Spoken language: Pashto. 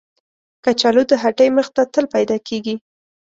کچالو د هټۍ مخ ته تل پیدا کېږي